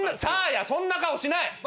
サーヤそんな顔しない。